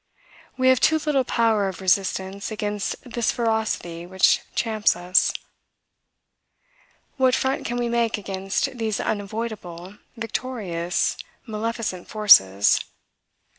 We have too little power of resistance against this ferocity which champs us up. What front can we make against these unavoidable, victorious, maleficent forces?